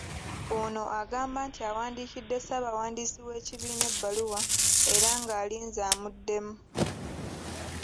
Ono agamba nti awandiikidde Ssaabawandiisi w'ekibiina ebbaluwa era ng'alinze amuddemu